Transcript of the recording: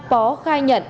pó khai nhận